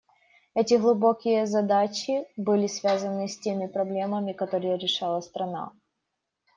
Эти глубокие задачи были связаны с теми проблемами, которые решала страна.